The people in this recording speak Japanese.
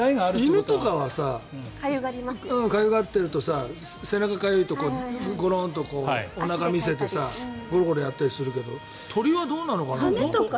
犬とかはかゆがっていると背中がかゆいとゴロンとおなかを見せてさゴロゴロやったりするけど鳥はどうなのかなと。